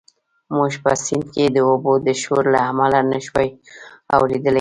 موږ په سیند کې د اوبو د شور له امله نه شوای اورېدلی.